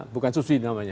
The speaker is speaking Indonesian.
bukan subsidi namanya